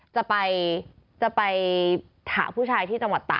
จะไปจะไปหาผู้ชายที่จังหวัดตาก